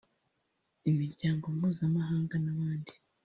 imiryango mpuzamahanga n’abandi